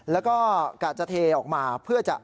แล้วก็กะจะเทออกมาเพื่อจะ